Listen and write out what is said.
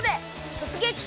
「とつげき！